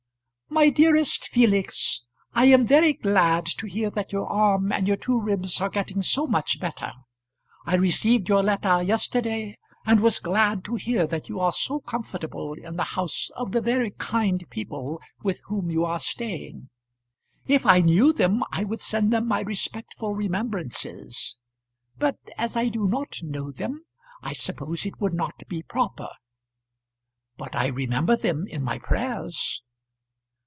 MY DEAREST FELIX, I am very glad to hear that your arm and your two ribs are getting so much better. I received your letter yesterday, and was glad to hear that you are so comfortable in the house of the very kind people with whom you are staying. If I knew them I would send them my respectful remembrances, but as I do not know them I suppose it would not be proper. But I remember them in my prayers.